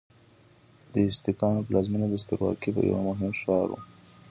د ازتکانو پلازمینه د سترواکۍ یو مهم ښار و.